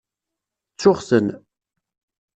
Ttuɣ-ten.